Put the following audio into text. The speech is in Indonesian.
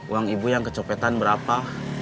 uang ibu yang kecopetan berapa